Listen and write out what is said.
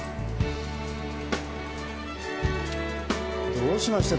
どうしました？